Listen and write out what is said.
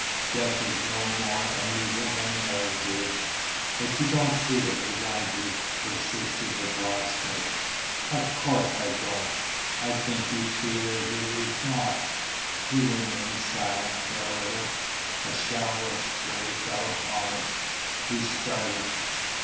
Death is no more an evil than marriage is." "But you don't see it as I do," persisted the blacksmith. "Of course I don't. I think you see it as it is not." He remained silent for a little. A shower of spray fell upon us. He started.